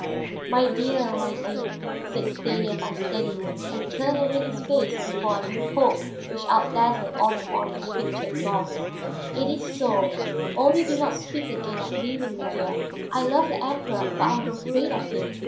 "My dear, my dear," said Stanief unsteadily, and turned away his face before a new hope which out dazzled all the morning's pictured loss. "It is so, only do not speak again of leaving me here. I love the Emperor, but I am afraid of him.